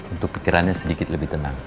untuk pikirannya sedikit lebih tenang